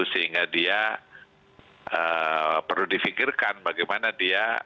sehingga dia perlu difikirkan bagaimana dia